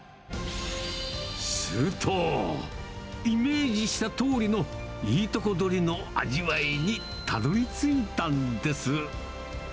すると、イメージしたとおりの、いいとこ取りの味わいにたどりついたんです。